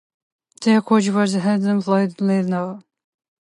Their coach was Heinz-Friedrich Lindner.